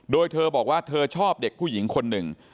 โดยเธอบอกว่าเธอชอบเด็กผู้หญิงคนหนึ่ง